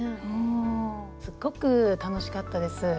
すっごく楽しかったです。